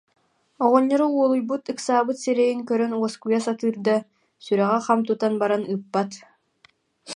Оҕонньоро уолуйбут, ыксаабыт сирэйин көрөн уоскуйа сатыыр да, сүрэҕэ хам тутан баран ыыппат